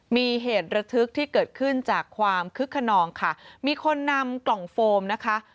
มีเหตุระทึกที่เกิดขึ้นจากความคึกขนองค่ะมีคนนำกล่องโฟมนะคะ